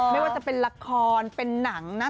ไม่ว่าจะเป็นละครเป็นหนังนะ